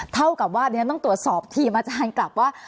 เท่ากับว่าเดี๋ยวฉันต้องตรวจสอบทีมอาจารย์กลับว่า